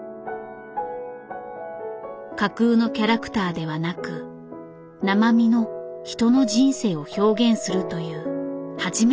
架空のキャラクターではなく生身の人の人生を表現するという初めての操演。